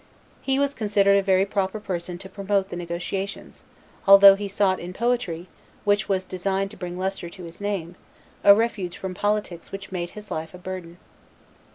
He was considered a very proper person to promote the negotiations, although he sought in poetry, which was destined to bring lustre to his name, a refuge from politics which made his life a burden.